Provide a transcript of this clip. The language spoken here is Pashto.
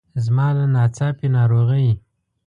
زما له ناڅاپي ناروغۍ.